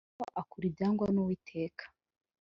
Ariko akora ibyangwa n’Uwiteka